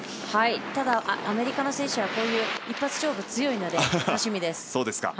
ただアメリカの選手はこういう一発勝負に強いので楽しみです。